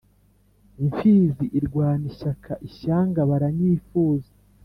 Imfizi irwana ishyaka, ishyanga, baranyifuza,